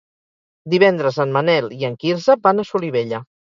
Divendres en Manel i en Quirze van a Solivella.